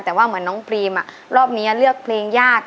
แต่ว่าเหมือนน้องพรีมรอบนี้เลือกเพลงยาก